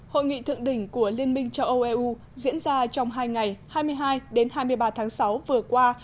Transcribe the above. hội nghị thượng đỉnh của liên minh châu âu eu diễn ra trong hai ngày hai mươi hai hai mươi ba tháng sáu vừa qua